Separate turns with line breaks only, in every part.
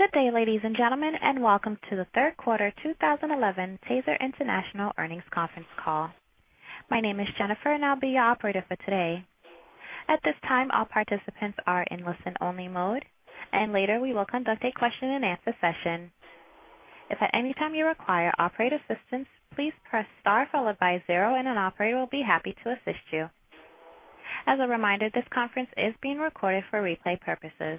Good day, ladies and gentlemen, and welcome to the Third Quarter 2011 TASER International Earnings Conference Call. My name is Jennifer, and I'll be your operator for today. At this time, all participants are in listen-only mode, and later we will conduct a question and answer session. If at any time you require operator assistance, please press star followed by zero, and an operator will be happy to assist you. As a reminder, this conference is being recorded for replay purposes.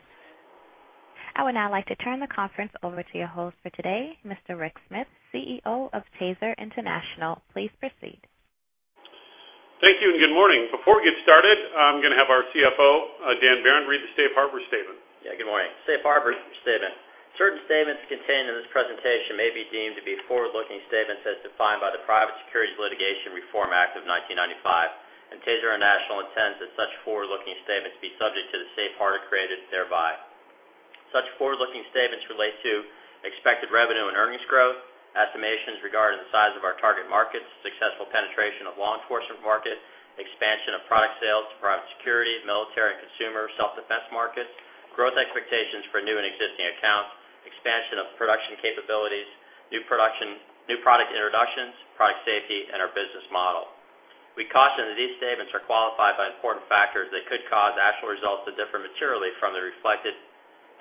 I would now like to turn the conference over to your host for today, Mr. Rick Smith, CEO of TASER International. Please proceed.
Thank you, and good morning. Before we get started, I'm going to have our CFO, Dan Behrendt, read the safe harbor statement.
Yeah, good morning. Safe harbor statement. Certain statements contained in this presentation may be deemed to be forward-looking statements as defined by the Private Securities Litigation Reform Act of 1995, and TASER International intends that such forward-looking statements be subject to the safe harbor created thereby. Such forward-looking statements relate to expected revenue and earnings growth, estimations regarding the size of our target markets, successful penetration of law enforcement markets, expansion of product sales to private security, military, and consumer self-defense markets, growth expectations for new and existing accounts, expansion of production capabilities, new product introductions, product safety, and our business model. We caution that these statements are qualified by important factors that could cause actual results to differ materially from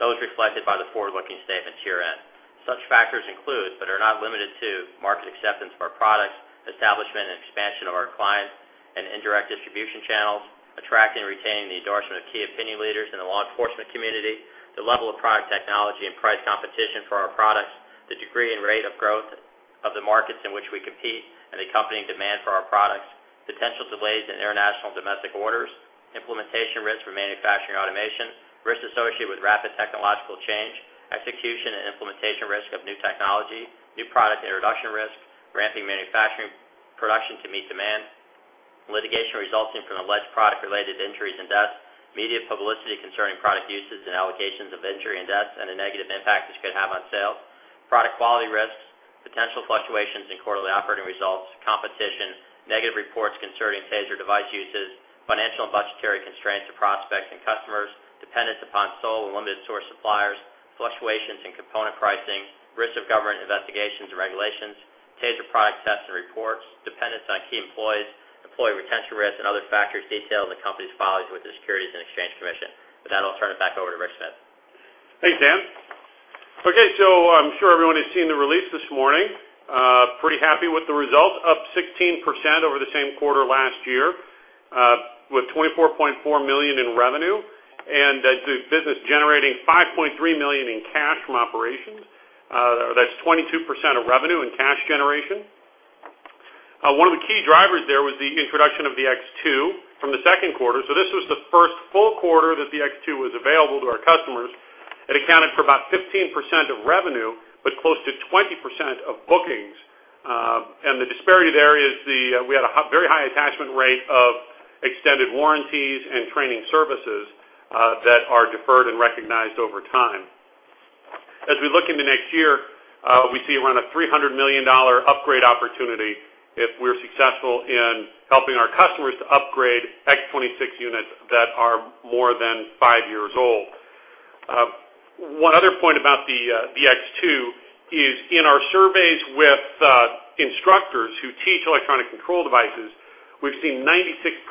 those reflected by the forward-looking statement herein. Such factors include, but are not limited to, market acceptance of our products, establishment and expansion of our client and indirect distribution channels, attracting and retaining the endorsement of key opinion leaders in the law enforcement community, the level of product technology and price competition for our products, the degree and rate of growth of the markets in which we compete, and the accompanying demand for our products, potential delays in international and domestic orders, implementation risk with manufacturing automation, risks associated with rapid technological change, execution and implementation risk of new technology, new product introduction risk, ramping manufacturing production to meet demand, litigation resulting from alleged product-related injuries and deaths, media publicity concerning product uses and allegations of injury and deaths, and the negative impact this could have on sales, product quality risks, potential fluctuations in quarterly operating results, competition, negative reports concerning TASER device uses, financial and budgetary constraints to prospects and customers, dependence upon sole and limited source suppliers, fluctuations in component pricing, risk of government investigations and regulations, TASER product tests and reports, dependence on key employees, employee retention rates, and other factors detailed in the company's filings with the Securities and Exchange Commission. With that, I'll turn it back over to Rick Smith.
Thanks, Dan. Okay, so I'm sure everyone has seen the release this morning. Pretty happy with the results, up 16% over the same quarter last year, with $24.4 million in revenue, and the business generating $5.3 million in cash from operations. That's 22% of revenue and cash generation. One of the key drivers there was the introduction of the X2 from the second quarter. This was the first full quarter that the X2 was available to our customers. It accounted for about 15% of revenue, but close to 20% of bookings. The disparity there is, we had a very high attachment rate of extended warranties and training services that are deferred and recognized over time. As we look into next year, we see around a $300 million upgrade opportunity if we're successful in helping our customers to upgrade X26 units that are more than five years old. One other point about the X2 is in our surveys with instructors who teach electronic control devices, we've seen 96%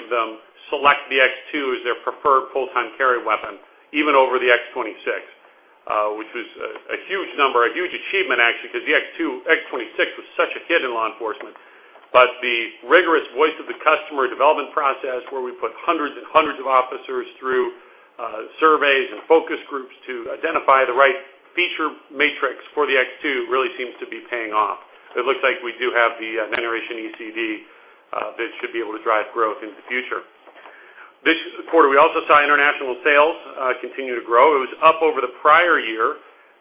of them select the X2 as their preferred full-time carry weapon, even over the X26, which was a huge number, a huge achievement actually, because the X26 was such a hit in law enforcement. The rigorous voice of the customer development process, where we put hundreds and hundreds of officers through surveys and focus groups to identify the right feature matrix for the X2, really seems to be paying off. It looks like we do have the generation ECD that should be able to drive growth into the future. This quarter, we also saw international sales continue to grow. It was up over the prior year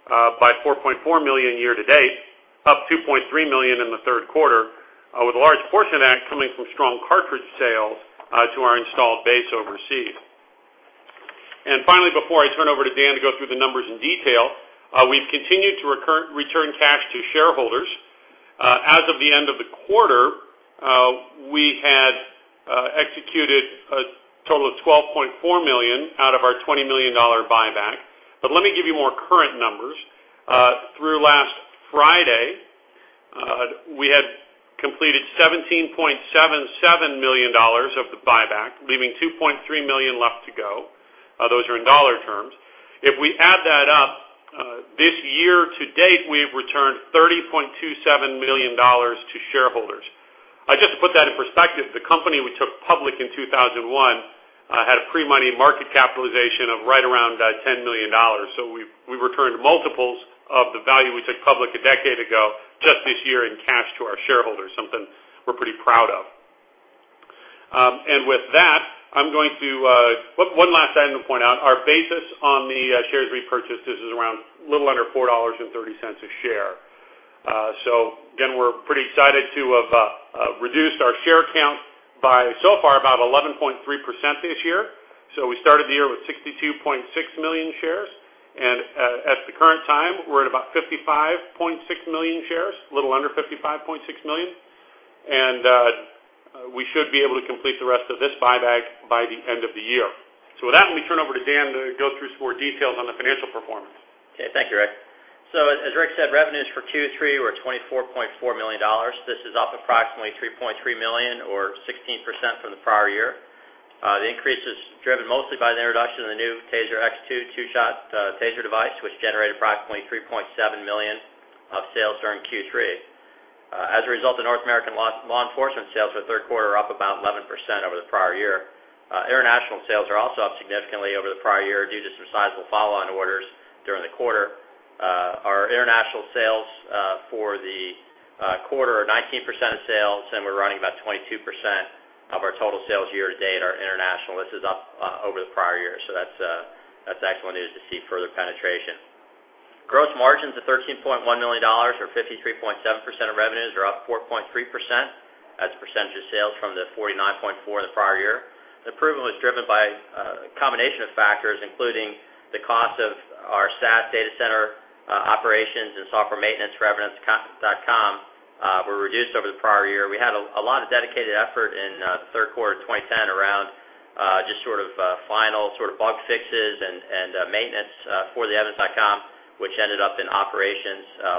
by $4.4 million year to date, up $2.3 million in the third quarter, with a large portion of that coming from strong cartridge sales to our installed base overseas. Finally, before I turn over to Dan to go through the numbers in detail, we've continued to return cash to shareholders. As of the end of the quarter, we had executed a total of $12.4 million out of our $20 million buyback. Let me give you more current numbers. Through last Friday, we had completed $17.77 million of the buyback, leaving $2.3 million left to go. Those are in dollar terms. If we add that up, this year to date, we've returned $30.27 million to shareholders. Just to put that in perspective, the company we took public in 2001 had a pre-money market capitalization of right around $10 million. We've returned multiples of the value we took public a decade ago, just this year in cash to our shareholders, something we're pretty proud of. With that, I'm going to point out one last item. Our basis on the shares we purchased is around a little under $4.30 a share. We're pretty excited to have reduced our share count by so far about 11.3% this year. We started the year with 62.6 million shares, and at the current time, we're at about 55.6 million shares, a little under 55.6 million. We should be able to complete the rest of this buyback by the end of the year. With that, let me turn over to Dan to go through some more details on the financial performance.
Okay, thank you, Rick. As Rick said, revenues for Q3 were $24.4 million. This is up approximately $3.3 million, or 16% from the prior year. The increase is driven mostly by the introduction of the new TASER X2 two-shot taser device, which generated approximately $3.7 million of sales during Q3. As a result, the North American law enforcement sales for the third quarter are up about 11% over the prior year. International sales are also up significantly over the prior year due to some sizable follow-on orders during the quarter. Our international sales for the quarter are 19% of sales, and we're running about 22% of our total sales year to date are international. This is up over the prior year. That's excellent news to see further penetration. Gross margins of $13.1 million, or 53.7% of revenues, are up 4.3%. That's a percentage of sales from the 49.4% of the prior year. The improvement was driven by a combination of factors, including the cost of our SaaS data center operations and software maintenance for Evidence.com were reduced over the prior year. We had a lot of dedicated effort in the third quarter of 2010 around just sort of final bug fixes and maintenance for Evidence.com, which ended up in operations.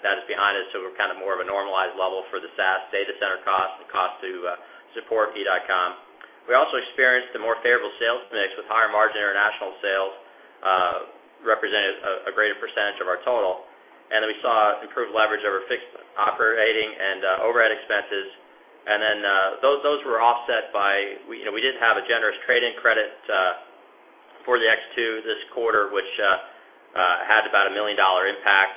That is behind us, so we're kind of more at a normalized level for the SaaS data center costs, the cost to support e.com. We also experienced a more favorable sales mix with higher margin international sales representing a greater percentage of our total. We saw improved leverage over fixed operating and overhead expenses. Those were offset by, you know, we didn't have a generous trade-in credit for the X2 this quarter, which had about a $1 million impact,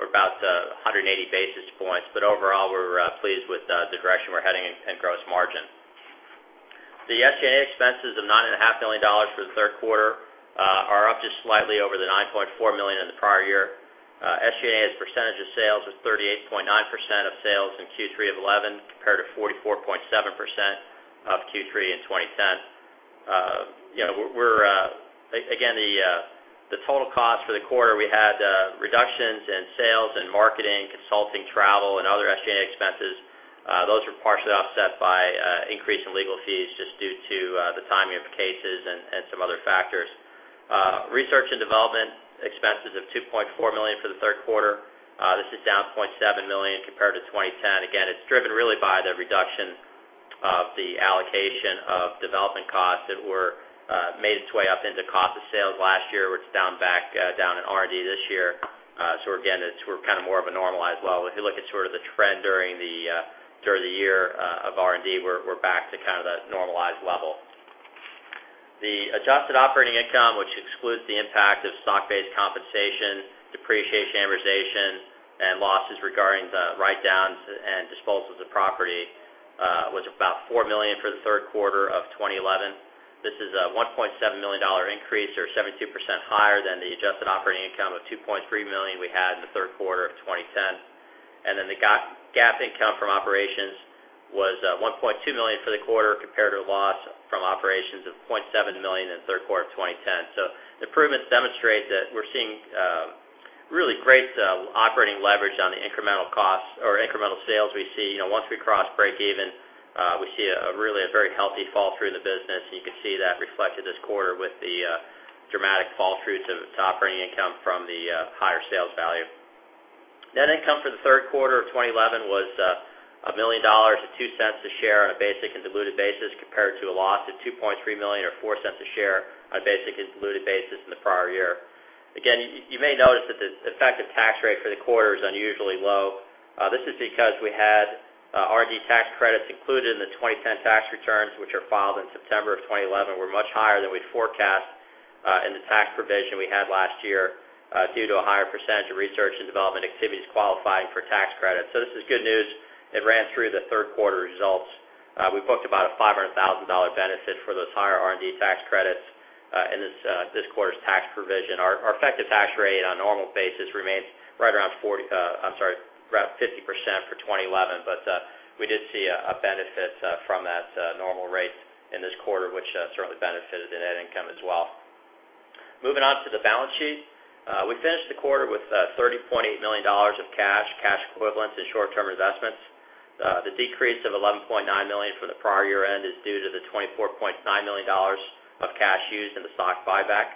about 180 basis points. Overall, we're pleased with the direction we're heading in gross margin. The SG&A expenses of $9.5 million for the third quarter are up just slightly over the $9.4 million in the prior year. SG&A as a percentage of sales was 38.9% of sales in Q3 of 2011 compared to 44.7% of Q3 in 2010. Again, the total cost for the quarter, we had reductions in sales and marketing, consulting, travel, and other SG&A expenses. Those were partially offset by an increase in legal fees just due to the timing of cases and some other factors. Research and development expenses of $2.4 million for the third quarter, this is down $0.7 million compared to 2010. Again, it's driven really by the reduction of the allocation of development costs that were made its way up into cost of sales last year, which is down back, down in R&D this year. We're kind of more of a normalized level. If you look at sort of the trend during the year of R&D, we're back to kind of that normalized level. The adjusted operating income, which excludes the impact of stock-based compensation, depreciation, amortization, and losses regarding the write-downs and disposals of property, was about $4 million for the third quarter of 2011. This is a $1.7 million increase, or 72% higher than the adjusted operating income of $2.3 million we had in the third quarter of 2010. The GAAP income from operations was $1.2 million for the quarter compared to a loss from operations of $0.7 million in the third quarter of 2010. These improvements demonstrate that we're seeing really great operating leverage on the incremental costs or incremental sales we see. You know, once we cross break-even, we see a really a very healthy fallthrough in the business, and you can see that reflected this quarter with the dramatic fallthrough to operating income from the higher sales value. Net income for the third quarter of 2011 was $1 million or $0.02 a share on a basic and diluted basis compared to a loss of $2.3 million or $0.04 a share on a basic and diluted basis in the prior year. You may notice that the effective tax rate for the quarter is unusually low. This is because we had R&D tax credits included in the 2010 tax returns, which are filed in September of 2011, were much higher than we'd forecast in the tax provision we had last year, due to a higher percentage of research and development activities qualifying for tax credits. This is good news. It ran through the third quarter results. We booked about a $500,000 benefit for those higher R&D tax credits in this quarter's tax provision. Our effective tax rate on a normal basis remains right around 40%, I'm sorry, about 50% for 2011, but we did see a benefit from that normal rate in this quarter, which certainly benefited the net income as well. Moving on to the balance sheet, we finished the quarter with $30.8 million of cash, cash equivalents, and short-term investments. The decrease of $11.9 million from the prior year end is due to the $24.9 million of cash used in the stock buyback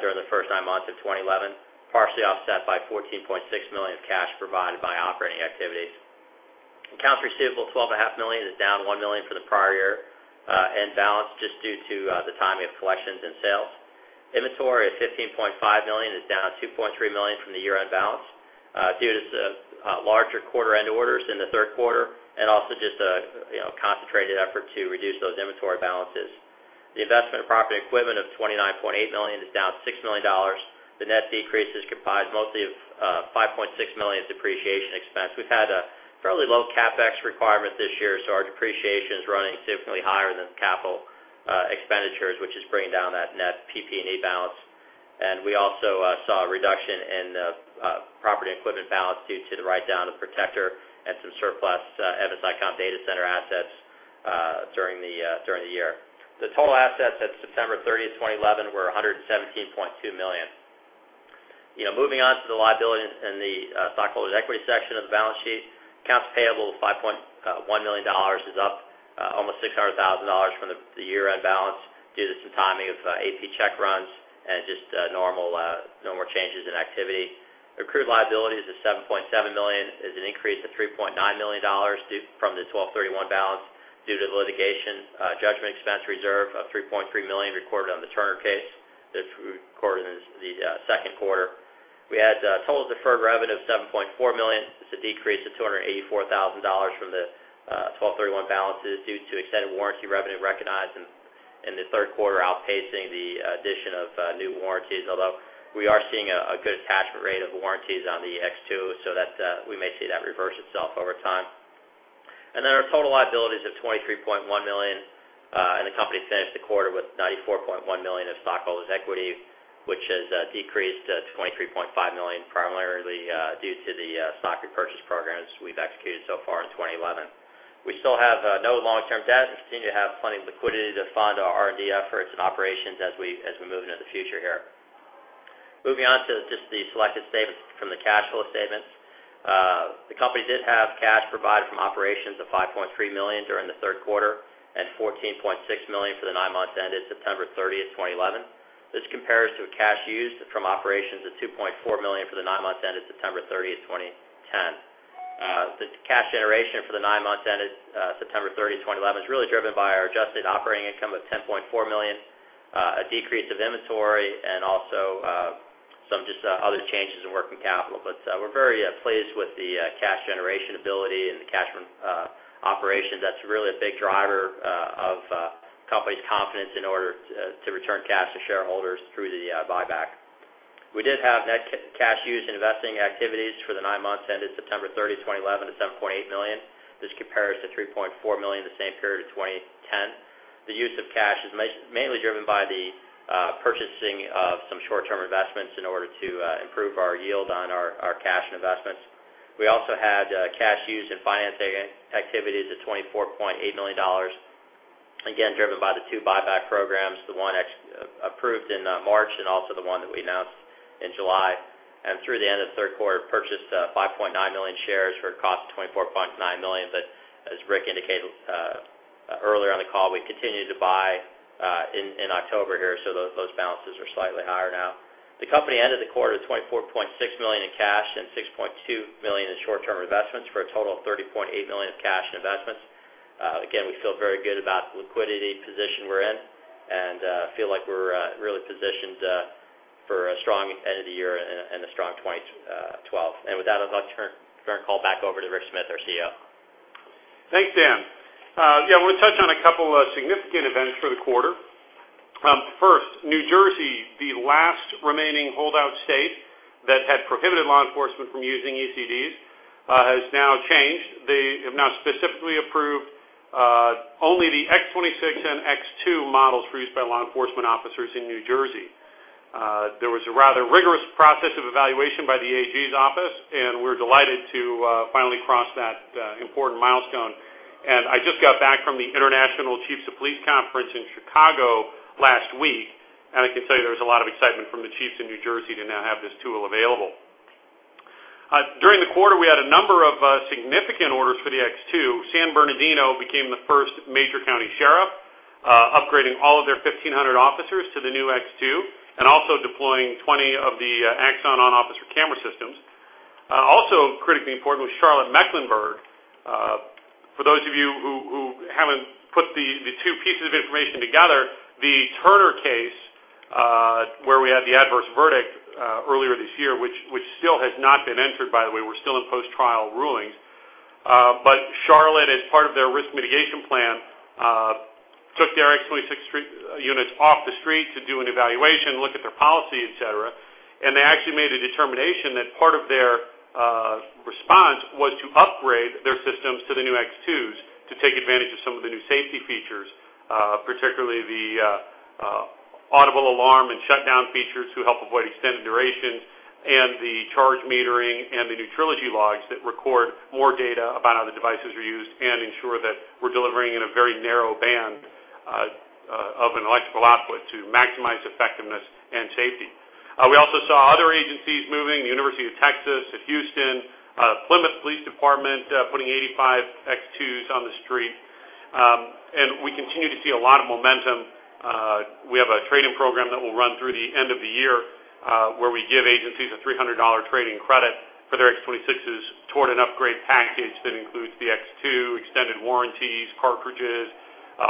during the first nine months of 2011, partially offset by $14.6 million of cash provided by operating activities. Accounts receivable, $12.5 million, is down $1 million from the prior year end balance just due to the timing of collections and sales. Inventory of $15.5 million is down $2.3 million from the year-end balance due to larger quarter-end orders in the third quarter and also just a concentrated effort to reduce those inventory balances. The investment of property equipment of $29.8 million is down $6 million. The net decrease is comprised mostly of $5.6 million in depreciation expense. We've had a fairly low CapEx requirement this year, so our depreciation is running significantly higher than the capital expenditures, which is bringing down that net PP&E balance. We also saw a reduction in the property equipment balance due to the write-down of Protector and some surplus Evidence.com data center assets during the year. The total assets at September 30, 2011, were $117.2 million. Moving on to the liability and the stockholders' equity section of the balance sheet, accounts payable of $5.1 million is up almost $600,000 from the year-end balance due to some timing of AP check runs and just normal changes in activity. Accrued liabilities of $7.7 million is an increase of $3.9 million due from the 12/31 balance due to the litigation judgment expense reserve of $3.3 million recorded on the Turner case that's recorded in the second quarter. We had a total deferred revenue of $7.4 million. This is a decrease of $284,000 from the 12/31 balances due to extended warranty revenue recognized in the third quarter, outpacing the addition of new warranties, although we are seeing a good attachment rate of warranties on the X2, so we may see that reverse itself over time. Our total liabilities are $23.1 million, and the company finished the quarter with $94.1 million of stockholders' equity, which has decreased $23.5 million, primarily due to the stock repurchase programs we've executed so far in 2011. We still have no long-term debt and continue to have funding liquidity to fund our R&D efforts and operations as we move into the future here. Moving on to just the selected statements from the cash flow statements, the company did have cash provided from operations of $5.3 million during the third quarter and $14.6 million for the nine months ended September 30, 2011. This compares to cash used from operations of $2.4 million for the nine months ended September 30, 2010. The cash generation for the nine months ended September 30, 2011, is really driven by our adjusted operating income of $10.4 million, a decrease of inventory, and also some other changes in working capital. We are very pleased with the cash generation ability and the cash from operations. That is really a big driver of the company's confidence in order to return cash to shareholders through the buyback. We did have net cash used in investing activities for the nine months ended September 30, 2011, at $7.8 million. This compares to $3.4 million in the same period of 2010. The use of cash is mainly driven by the purchasing of some short-term investments in order to improve our yield on our cash and investments. We also had cash used in financing activities of $24.8 million, again, driven by the two buyback programs, the one approved in March and also the one that we announced in July. Through the end of the third quarter, we purchased 5.9 million shares for a cost of $24.9 million. As Rick indicated earlier on the call, we've continued to buy in October here, so those balances are slightly higher now. The company ended the quarter with $24.6 million in cash and $6.2 million in short-term investments for a total of $30.8 million of cash and investments. We feel very good about the liquidity position we're in and feel like we're really positioned for a strong end of the year and a strong 2012. With that, I'd like to turn the call back over to Rick Smith, our CEO.
Thanks, Dan. I want to touch on a couple of significant events for the quarter. First, New Jersey, the last remaining holdout state that had prohibited law enforcement from using ECDs, has now changed. They have now specifically approved only the X26 and X2 models for use by law enforcement officers in New Jersey. There was a rather rigorous process of evaluation by the AG's office, and we're delighted to finally cross that important milestone. I just got back from the International Chiefs of Police Conference in Chicago last week, and I can tell you there was a lot of excitement from the chiefs in New Jersey to now have this tool available. During the quarter, we had a number of significant orders for the X2. San Bernardino County became the first major county sheriff upgrading all of their 1,500 officers to the new X2 and also deploying 20 of the AXON on-officer camera systems. Also critically important was Charlotte-Mecklenburg. For those of you who haven't put the two pieces of information together, the Turner case, where we had the adverse verdict earlier this year, which still has not been entered, by the way. We're still in post-trial rulings. Charlotte, as part of their risk mitigation plan, took their X26 units off the street to do an evaluation, look at their policy, etc. They actually made a determination that part of their response was to upgrade their systems to the new X2s to take advantage of some of the new safety features, particularly the audible alarm and shutdown features to help avoid extended durations, and the charge metering, and the new Trilogy logs that record more data about how the devices are used and ensure that we're delivering in a very narrow band of an electrical output to maximize effectiveness and safety. We also saw other agencies moving, the University of Texas at Houston, Plymouth Police Department, putting 85 X2s on the street. We continue to see a lot of momentum. We have a trade-in program that will run through the end of the year, where we give agencies a $300 trade-in credit for their X26s toward an upgrade package that includes the X2, extended warranties, cartridges,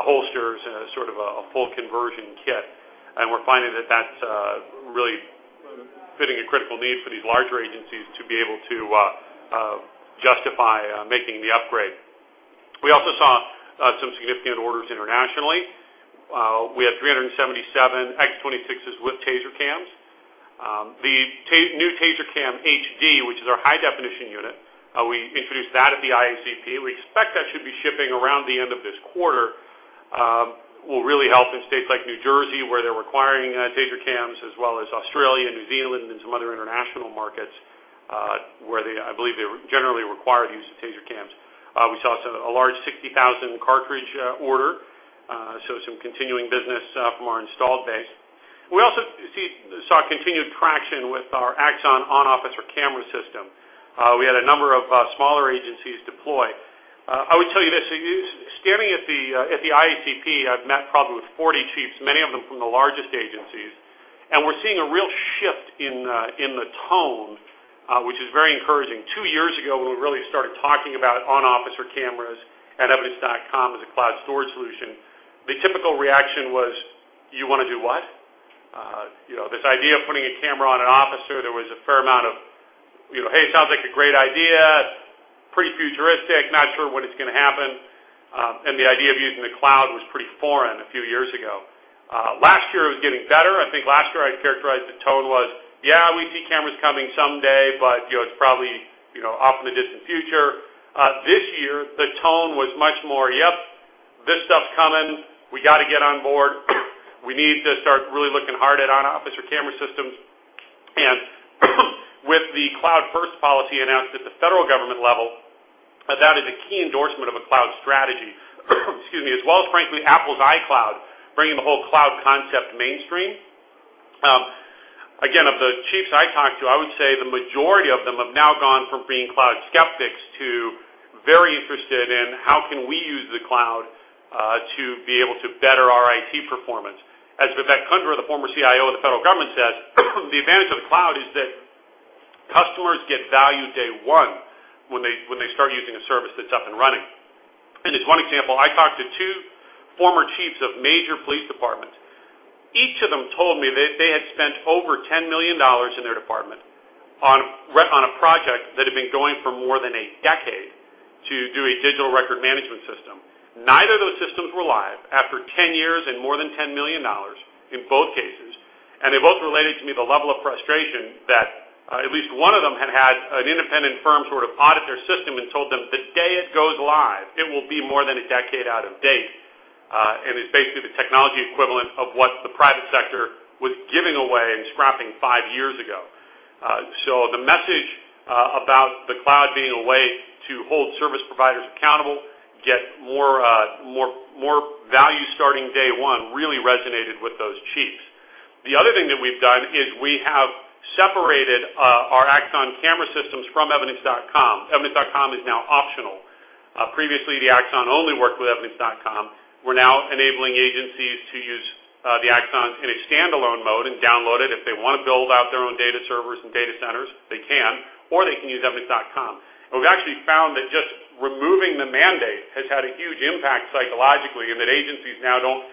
holsters, sort of a full conversion kit. We're finding that that's really fitting a critical need for these larger agencies to be able to justify making the upgrade. We also saw some significant orders internationally. We have 377 X26s with TASER cams. The new TASER Cam HD, which is our high-definition unit, we introduced that at the IACP. We expect that should be shipping around the end of this quarter. It will really help in states like New Jersey, where they're requiring TASER Cams, as well as Australia, New Zealand, and some other international markets, where they, I believe, they're generally required the use of TASER Cams. We saw a large 60,000 cartridge order, so some continuing business from our installed base. We also saw continued traction with our AXON on-officer camera system. We had a number of smaller agencies deploy. I would tell you this. You're standing at the IACP, I've met probably with 40 chiefs, many of them from the largest agencies, and we're seeing a real shift in the tone, which is very encouraging. Two years ago, when we really started talking about on-officer cameras and Evidence.com as a cloud storage solution, the typical reaction was, "You want to do what?" This idea of putting a camera on an officer, there was a fair amount of, you know, "Hey, it sounds like a great idea. It's pretty futuristic. Not sure when it's going to happen." The idea of using the cloud was pretty foreign a few years ago. Last year, it was getting better. I think last year, I'd characterize the tone was, "Yeah, we see cameras coming someday, but you know it's probably, you know, off in the distant future." This year, the tone was much more, "Yep, this stuff's coming. We got to get on board. We need to start really looking hard at on-officer camera systems." With the cloud-first policy announced at the federal government level, that is a key endorsement of a cloud strategy, excuse me, as well as, frankly, Apple's iCloud, bringing the whole cloud concept mainstream. Again, of the chiefs I talked to, I would say the majority of them have now gone from being cloud skeptics to very interested in how can we use the cloud to be able to better our IT performance. As Vivek Kundra, the former CIO of the federal government, says, "The advantage of the cloud is that customers get value day one when they start using a service that's up and running." As one example, I talked to two former chiefs of major police departments. Each of them told me that they had spent over $10 million in their department on a project that had been going for more than a decade to do a digital record management system. Neither of those systems were live after 10 years and more than $10 million in both cases. They both related to me the level of frustration that at least one of them had had an independent firm sort of audit their system and told them, "The day it goes live, it will be more than a decade out of date." It's basically the technology equivalent of what the private sector was giving away and scrapping five years ago. The message about the cloud being a way to hold service providers accountable, get more, more, more value starting day one really resonated with those chiefs. The other thing that we've done is we have separated our Axon camera systems from Evidence.com. Evidence.com is now optional. Previously, the AXON only worked with Evidence.com. We're now enabling agencies to use the AXON in a standalone mode and download it. If they want to build out their own data servers and data centers, they can, or they can use Evidence.com. We've actually found that just removing the mandate has had a huge impact psychologically in that agencies now don't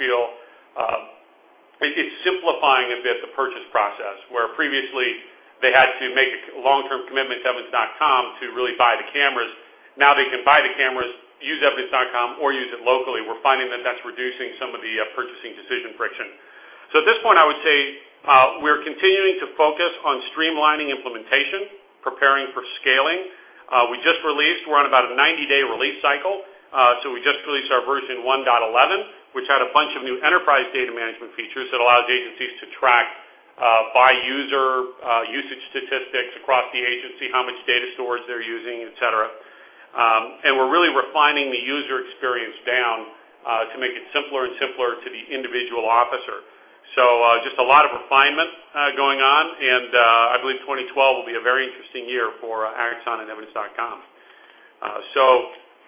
feel—it's simplifying a bit the purchase process, where previously they had to make a long-term commitment to Evidence.com to really buy the cameras. Now they can buy the cameras, use Evidence.com, or use it locally. We're finding that that's reducing some of the purchasing decision friction. At this point, I would say we're continuing to focus on streamlining implementation, preparing for scaling. We just released—we're on about a 90-day release cycle. We just released our version 1.11, which had a bunch of new enterprise data management features that allowed agencies to track, by user, usage statistics across the agency, how much data storage they're using, etc. We're really refining the user experience down to make it simpler and simpler to the individual officer. Just a lot of refinement going on, and I believe 2012 will be a very interesting year for AXON and Evidence.com.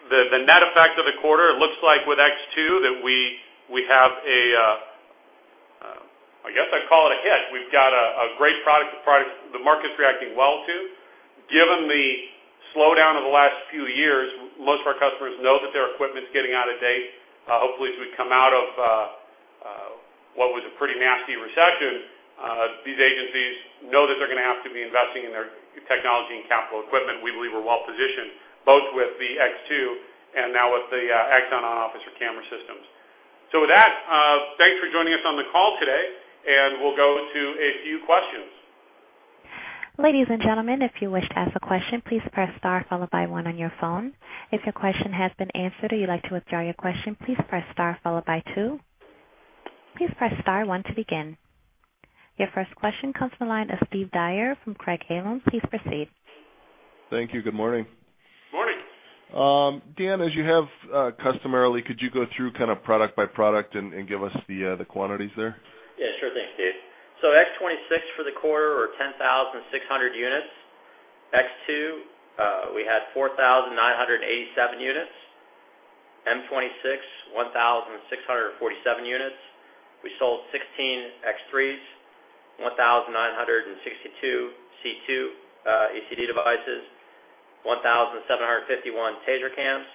The net effect of the quarter, it looks like with X2 that we have a—I guess I'd call it a hit. We've got a great product that the market's reacting well to. Given the slowdown of the last few years, most of our customers know that their equipment's getting out of date. Hopefully, as we come out of what was a pretty nasty recession, these agencies know that they're going to have to be investing in their technology and capital equipment. We believe we're well-positioned, both with the X2 and now with the AXON on-officer camera systems. With that, thanks for joining us on the call today, and we'll go to a few questions.
Ladies and gentlemen, if you wish to ask a question, please press star followed by one on your phone. If your question has been answered or you'd like to withdraw your question, please press star followed by two. Please press star one to begin. Your first question comes from the line of Steve Dyer from Craig-Hallum. Please proceed.
Thank you. Good morning.
Morning.
Dan, as you have customarily, could you go through product by product and give us the quantities there?
Yeah, sure thing, Steve. X26 for the quarter were 10,600 units. X2, we had 4,987 units. M26, 1,647 units. We sold 16 X3s, 1,962 C2 ECD devices, 1,751 TASER cams,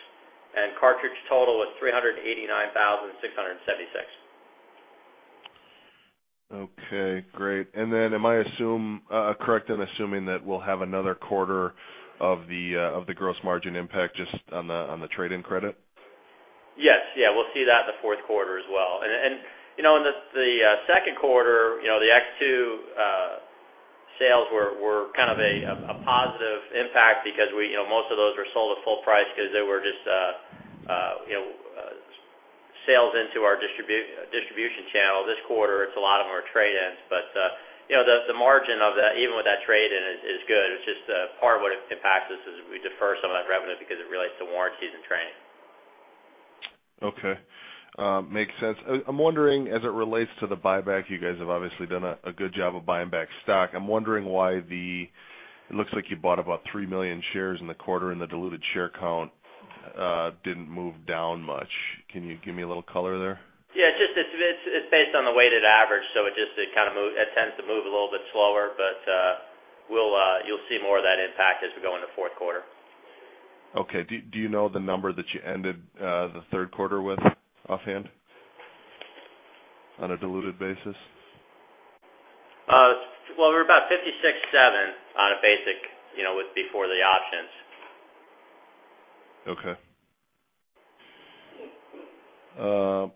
and cartridge total was 389,676.
Okay, great. Am I correct in assuming that we'll have another quarter of the gross margin impact just on the trade-in credit?
Yes. We'll see that in the fourth quarter as well. In the second quarter, the X2 sales were kind of a positive impact because most of those were sold at full price because they were just sales into our distribution channel. This quarter, a lot of them are trade-ins, but the margin of that, even with that trade-in, is good. Part of what impacts us is we defer some of that revenue because it relates to warranties and training.
Okay. Makes sense. I'm wondering, as it relates to the buyback, you guys have obviously done a good job of buying back stock. I'm wondering why it looks like you bought about 3 million shares in the quarter and the diluted share count didn't move down much. Can you give me a little color there?
Yeah, it's based on the weighted average, so it just kind of tends to move a little bit slower, but you'll see more of that impact as we go into the fourth quarter.
Okay. Do you know the number that you ended the third quarter with offhand on a diluted basis?
We were about $56.7 million on a basic, you know, with before the options.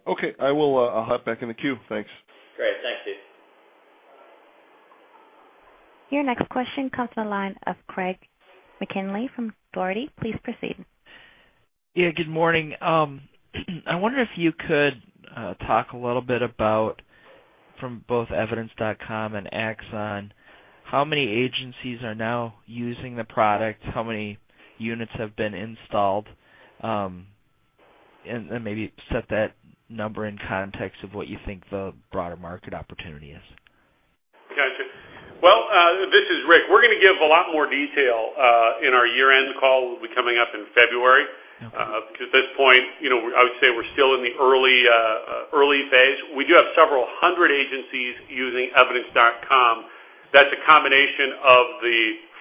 Okay, I will hop back in the queue. Thanks.
Great. Thanks, Steve.
Your next question comes from the line of Greg McKinley from Dougherty. Please proceed.
Good morning. I wonder if you could talk a little bit about, from both Evidence.com and AXON, how many agencies are now using the product, how many units have been installed, and maybe set that number in context of what you think the broader market opportunity is.
Gotcha. This is Rick. We're going to give a lot more detail in our year-end call that'll be coming up in February. At this point, I would say we're still in the early, early phase. We do have several hundred agencies using Evidence.com. That's a combination of the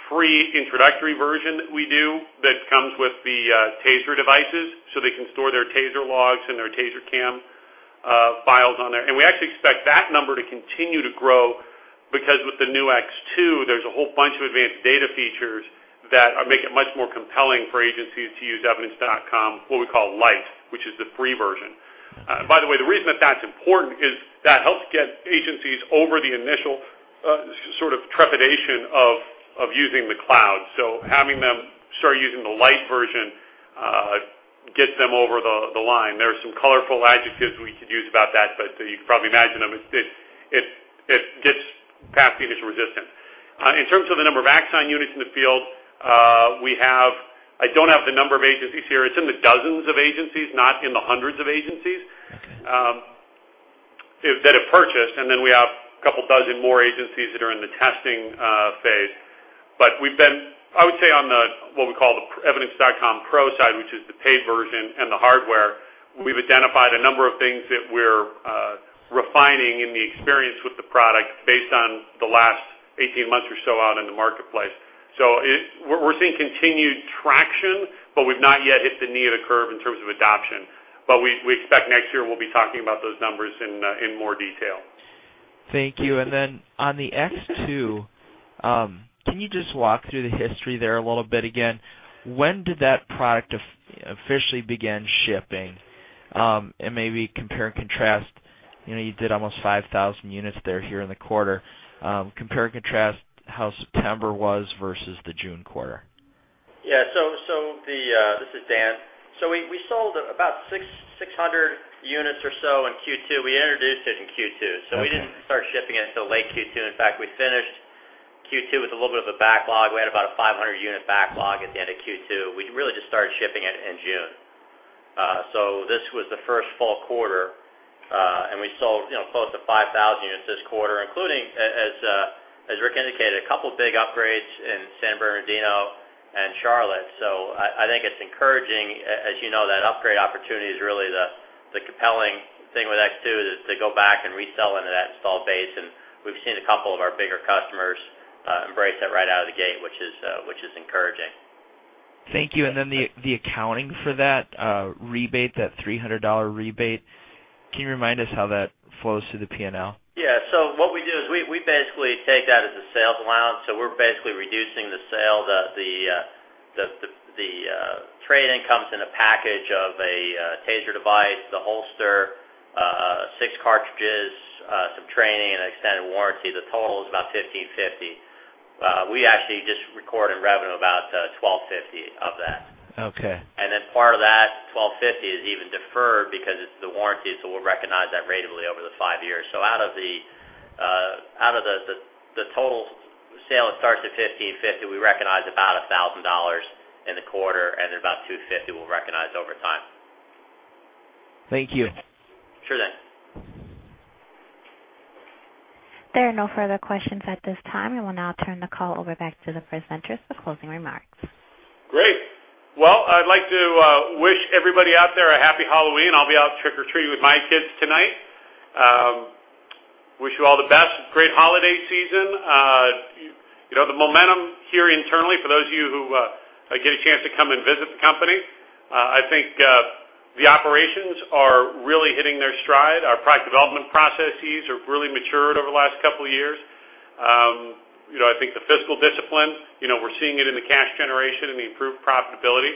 free introductory version that we do that comes with the TASER devices, so they can store their TASER logs and their TASER cam files on there. We actually expect that number to continue to grow because with the new X2, there's a whole bunch of advanced data features that are making it much more compelling for agencies to use Evidence.com, what we call Lite, which is the free version. By the way, the reason that that's important is that helps get agencies over the initial sort of trepidation of using the cloud. Having them start using the Lite version gets them over the line. There are some colorful adjectives we could use about that, but you could probably imagine them. It gets past the initial resistance. In terms of the number of AXON units in the field, I don't have the number of agencies here. It's in the dozens of agencies, not in the hundreds of agencies, that have purchased. We have a couple dozen more agencies that are in the testing phase. I would say, on what we call the Evidence.com pro side, which is the paid version and the hardware, we've identified a number of things that we're refining in the experience with the product based on the last 18 months or so out in the marketplace. We're seeing continued traction, but we've not yet hit the knee of the curve in terms of adoption. We expect next year we'll be talking about those numbers in more detail.
Thank you. On the X2, can you just walk through the history there a little bit again? When did that product officially begin shipping, and maybe compare and contrast, you know, you did almost 5,000 units there here in the quarter. Compare and contrast how September was versus the June quarter.
Yeah. This is Dan. We sold about 600 units or so in Q2. We introduced it in Q2, so we didn't start shipping it until late Q2. In fact, we finished Q2 with a little bit of a backlog. We had about a 500-unit backlog at the end of Q2. We really just started shipping it in June. This was the first full quarter, and we sold close to 5,000 units this quarter, including, as Rick indicated, a couple big upgrades in San Bernardino and Charlotte. I think it's encouraging. As you know, that upgrade opportunity is really the compelling thing with X2 to go back and resell into that installed base. We've seen a couple of our bigger customers embrace that right out of the gate, which is encouraging.
Thank you. The accounting for that rebate, that $300 rebate, can you remind us how that flows through the P&L?
Yeah. What we do is we basically take that as a sales allowance. We're basically reducing the sale. The trade-in comes in a package of a TASER device, the holster, six cartridges, some training, and an extended warranty. The total is about $1,550. We actually just record in revenue about $1,250 of that.
Okay.
Part of that $1,250 is even deferred because it's the warranty, so we'll recognize that ratably over the five years. Out of the total sale, it starts at $1,550. We recognize about $1,000 in the quarter, and then about $250 we'll recognize over time.
Thank you.
Sure thing.
There are no further questions at this time. I will now turn the call over back to the presenters for closing remarks.
Great. I'd like to wish everybody out there a happy Halloween. I'll be out trick-or-treating with my kids tonight. Wish you all the best. Great holiday season. The momentum here internally, for those of you who get a chance to come and visit the company, I think the operations are really hitting their stride. Our product development processes have really matured over the last couple of years. I think the fiscal discipline, we're seeing it in the cash generation and the improved profitability.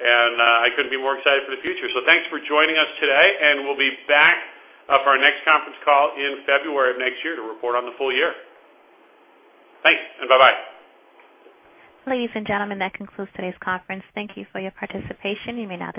I couldn't be more excited for the future. Thanks for joining us today, and we'll be back for our next conference call in February of next year to report on the full year. Thanks, and bye-bye.
Ladies and gentlemen, that concludes today's conference. Thank you for your participation. You may now disconnect.